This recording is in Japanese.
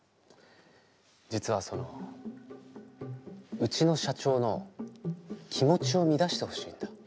実はそのうちの社長の気持ちを乱してほしいんだ。